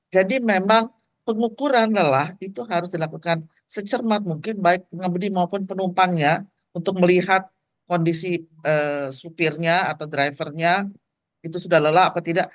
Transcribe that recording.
jadi memang pengukuran lelah itu harus dilakukan secermat mungkin baik pengabdi maupun penumpangnya untuk melihat kondisi supirnya atau drivernya itu sudah lelah apa tidak